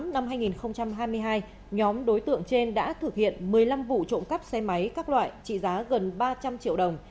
năm hai nghìn hai mươi hai nhóm đối tượng trên đã thực hiện một mươi năm vụ trộm cắp xe máy các loại trị giá gần ba trăm linh triệu đồng